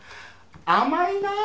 甘いなあ！